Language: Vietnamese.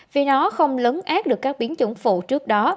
vì nó không lớn ác được các biến chủng phụ trước đó